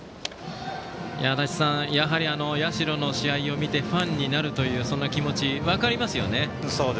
足達さん、やはり社の試合を見てファンになるという気持ち分かりますよね。